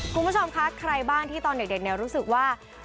คุณผู้ชมคะใครบ้างที่ตอนเด็กรู้สึกว่า